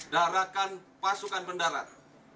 daratkan pasukan pendarat